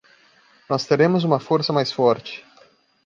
Nós teremos uma força mais forte